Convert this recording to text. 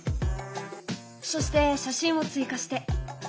そして写真を追加して。